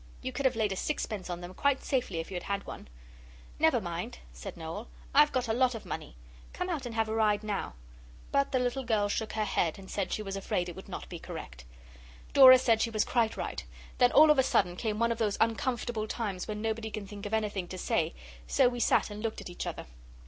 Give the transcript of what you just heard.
You could have laid a sixpence on them quite safely if you had had one. 'Never mind,' said Noel; 'I've got a lot of money. Come out and have a ride now.' But the little girl shook her head and said she was afraid it would not be correct. Dora said she was quite right; then all of a sudden came one of those uncomfortable times when nobody can think of anything to say, so we sat and looked at each other.